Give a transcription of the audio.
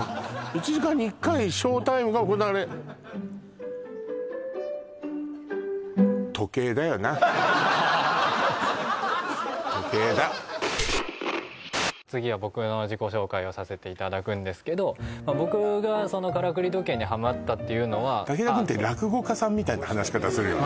１時間に１回ショータイムが行われ時計だ次は僕の自己紹介をさせていただくんですけど僕がそのからくり時計にハマったっていうのは竹田君ってするよね